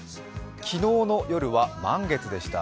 昨日の夜は満月でした。